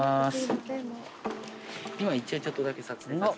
今一応ちょっとだけ撮影させて。